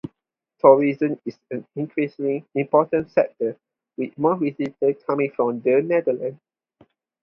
Tourism is an increasingly important sector, with most visitors coming from the Netherlands.